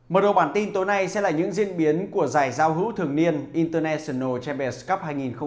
mở đầu bản tin tối nay sẽ là những diễn biến của giải giao hữu thường niên international champions cup hai nghìn một mươi chín